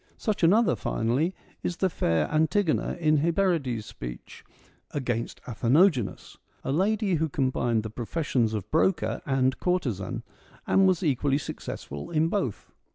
Such another, finally, is the fair Antigona in Hyperides' speech ' Against Atheno genas,' a lady who combined the professions of broker and courtesan, and was equally successful in both.